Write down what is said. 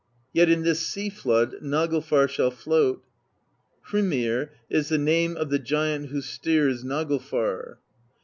Yet in this sea flood Naglfar shall float. Hrymr is the name of the giant who steers Naglfar.